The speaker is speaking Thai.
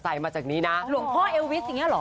มาจากนี้นะหลวงพ่อเอลวิสอย่างเงี้เหรอ